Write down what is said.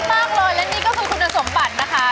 มากเลยและนี่ก็คือคุณสมบัตินะคะ